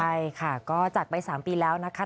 ใช่ค่ะก็จากไป๓ปีแล้วนะคะ